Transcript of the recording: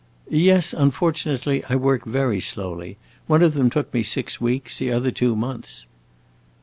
"Yes, unfortunately, I work very slowly. One of them took me six weeks, the other two months."